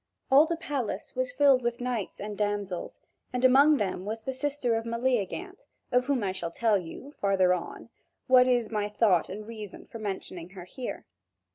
All the palace was filled with knights and damsels, and among them was the sister of Meleagant, of whom I shall tell you, farther on, what is my thought and reason for mentioning her here.